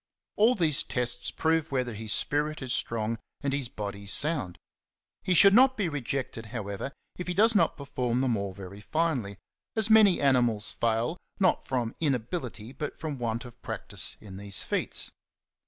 All these tests prove whether his spirit is strong and his body sound. He should not be rejected, however, if he does not perform them all very finely ; as many animals fail, not from inability but from want of practice in these feats.